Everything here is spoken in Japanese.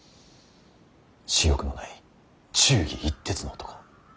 私欲のない忠義一徹の男。